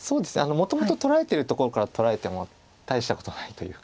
もともと取られてるところから取られても大したことないというか。